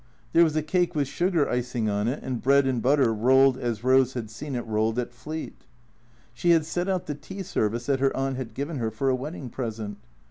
There was a cake with sugar icing on it, and bread and butter rolled as Eose had seen it rolled at Fleet. She had set out the tea service that her aunt had given her for a wedding present.